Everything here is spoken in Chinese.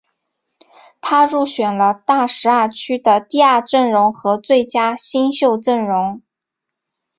他入选了大十二区的第二阵容和最佳新秀阵容。